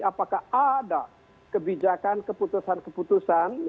apakah ada kebijakan keputusan keputusan ya atau rapat rapat